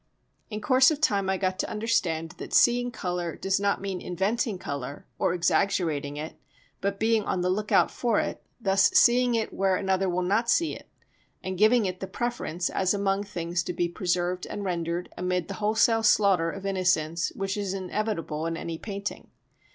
In course of time I got to understand that seeing colour does not mean inventing colour, or exaggerating it, but being on the look out for it, thus seeing it where another will not see it, and giving it the preference as among things to be preserved and rendered amid the wholesale slaughter of innocents which is inevitable in any painting.